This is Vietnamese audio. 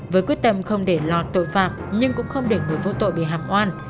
với quyết tâm không để lọt tội phạm nhưng cũng không để người vô tội bị hạm oan